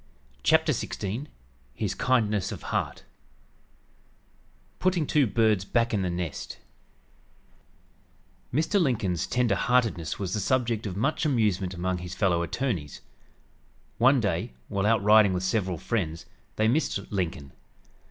CHAPTER XVI HIS KINDNESS OF HEART PUTTING TWO YOUNG BIRDS BACK IN THE NEST Mr. Lincoln's tender heartedness was the subject of much amusement among his fellow attorneys. One day, while out riding with several friends, they missed Lincoln.